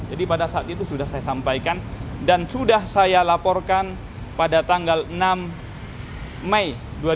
jadi pada saat itu sudah saya sampaikan dan sudah saya laporkan pada tanggal enam mei dua ribu dua puluh empat